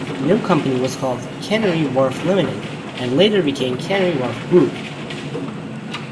The new company was called Canary Wharf Limited, and later became Canary Wharf Group.